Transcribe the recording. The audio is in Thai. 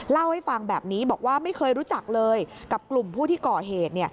เล่าให้ฟังแบบนี้บอกว่าไม่เคยรู้จักเลยกับกลุ่มผู้ที่ก่อเหตุ